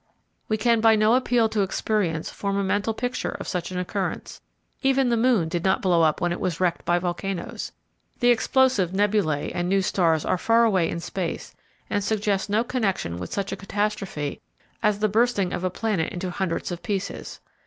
We can by no appeal to experience form a mental picture of such an occurrence. Even the moon did not blow up when it was wrecked by volcanoes. The explosive nebulæ and new stars are far away in space, and suggest no connection with such a catastrophe as the bursting of a planet into hundreds of pieces.